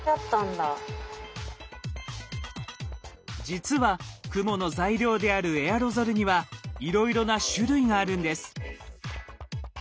実は雲の材料であるエアロゾルにはいろいろな種類があるんです。